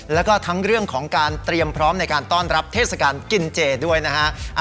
แล้วก็ทั้งเรื่องของการเตรียมพร้อมในการต้อนรับเทศกาลกินเจด้วยนะฮะ